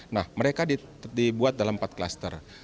nah mereka dibuat dalam empat klaster